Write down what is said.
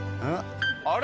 あれ？